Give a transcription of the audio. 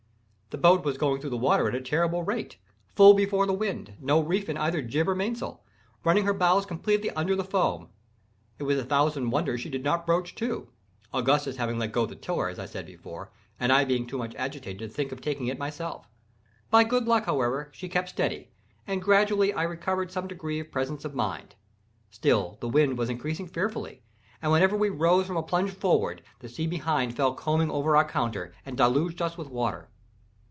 The boat was going through the water at a terrible rate—full before the wind—no reef in either jib or mainsail—running her bows completely under the foam. It was a thousand wonders she did not broach to—Augustus having let go the tiller, as I said before, and I being too much agitated to think of taking it myself. By good luck, however, she kept steady, and gradually I recovered some degree of presence of mind. Still the wind was increasing fearfully, and whenever we rose from a plunge forward, the sea behind fell combing over our counter, and deluged us with water.